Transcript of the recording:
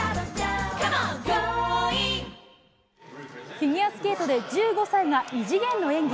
フィギュアスケートで１５歳が異次元の演技。